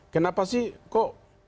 kenapa sih kok